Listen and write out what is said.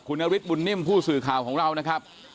คุณนฤทธบุญนิ่มผู้สื่อข่าวของเรานะครับ